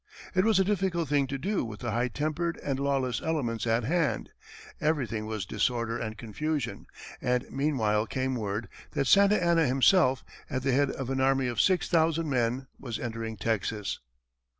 It was a difficult thing to do with the high tempered and lawless elements at hand; everything was disorder and confusion, and meanwhile came word that Santa Anna himself, at the head of an army of six thousand men, was entering Texas.